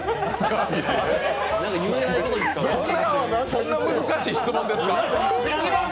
そんな難しい質問ですか？